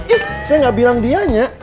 eh saya gak bilang dianya